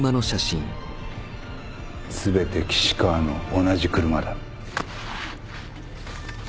全て岸川の同じ車だ。